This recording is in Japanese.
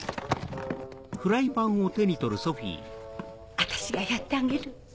フフフ私がやってあげる。